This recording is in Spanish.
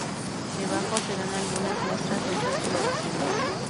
Debajo se dan algunas muestras de estas coloraciones.